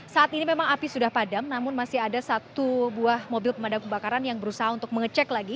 saat ini memang api sudah padam namun masih ada satu buah mobil pemadam kebakaran yang berusaha untuk mengecek lagi